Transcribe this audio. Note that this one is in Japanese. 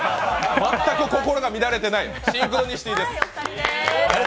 全く心が乱れてないシンクロニシティです。